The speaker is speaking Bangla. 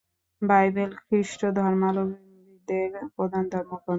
বাইবেল খ্রিস্ট ধর্মাবলম্বীদের প্রধান ধর্মগ্রন্থ।